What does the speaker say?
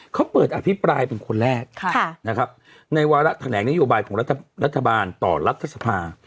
เขาเปิดอภิปรายเป็นคนแรกนะครับในวาระแถลงนโยบายของรัฐบาลต่อรัฐสภา